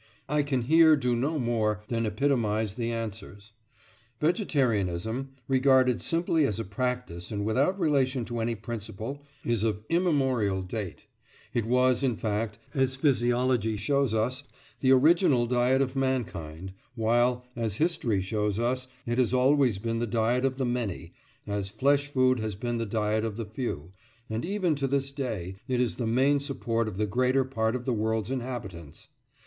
I can here do no more than epitomise the answers. Vegetarianism, regarded simply as a practice and without relation to any principle, is of immemorial date; it was, in fact, as physiology shows us, the original diet of mankind, while, as history shows us, it has always been the diet of the many, as flesh food has been the diet of the few, and even to this day it is the main support of the greater part of the world's inhabitants.